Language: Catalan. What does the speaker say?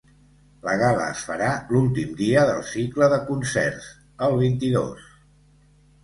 La gala es farà l’últim dia del cicle de concerts, el vint-i-dos.